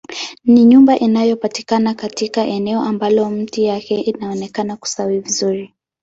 Ni nyumba inayopatikana katika eneo ambalo miti yake inaonekana kustawi vizuri